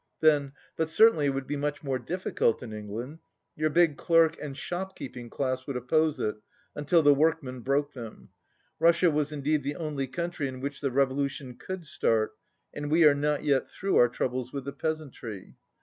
Then, "But certainly it would be much more difficult in England. Your big clerk and shop keeping class would oppose it, until the work men broke them. Russia was indeed the only country in which the revolution could start. And we are not yet through our troubles with the peas antry."